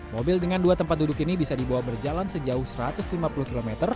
mobil dengan dua tempat duduk ini bisa dibawa berjalan sejauh satu ratus lima puluh km